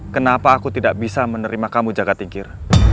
kenapa aku tidak bisa menerima kamu jaga tingkir